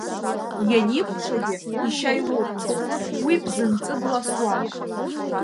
Ианикәшагьы ишьа иурцаз, уи бзынҵы дласуам.